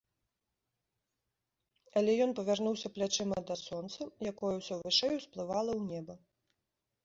Але ён павярнуўся плячыма да сонца, якое ўсё вышэй усплывала ў неба.